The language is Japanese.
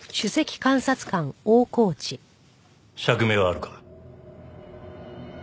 釈明はあるか？